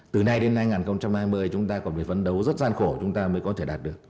từ nay đến hai nghìn hai mươi chúng ta còn phải phấn đấu rất gian khổ chúng ta mới có thể đạt được